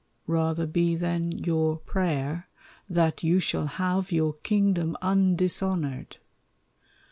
Rather be then your prayer that you shall have Your kingdom undishonored.